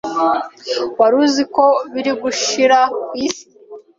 Waruzi ko biri gushira ku isi